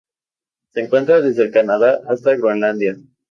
Se encuentra desde el Canadá hasta Groenlandia.